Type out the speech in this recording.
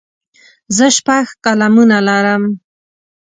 زه شپږ قلمونه لرم.